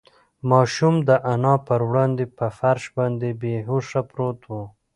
ماشوم د انا په وړاندې په فرش باندې بې هوښه پروت و.